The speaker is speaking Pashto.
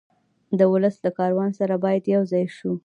د ولس له کاروان سره باید یو ځای شو.